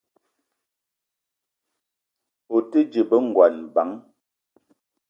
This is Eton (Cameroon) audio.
O te dje be ngon bang ?